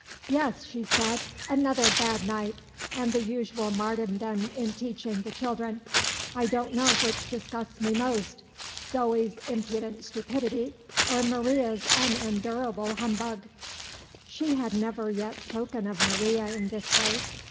"Yes," she said, "another bad night, and the usual martyrdom in teaching the children. I don't know which disgusts me most Zoe's impudent stupidity, or Maria's unendurable humbug." She had never yet spoken of Maria in this way.